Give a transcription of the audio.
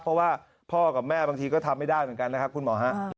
เพราะว่าพ่อกับแม่บางทีก็ทำไม่ได้เหมือนกันนะครับคุณหมอฮะ